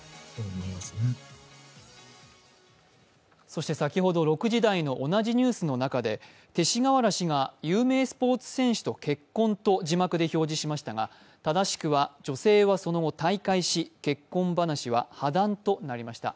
そして先ほど６時台の同じニュースの中で勅使河原氏が有名スポーツ選手と結婚と字幕で表示しましたが、正しくは女性はその後退会し、結婚話は破談となりました。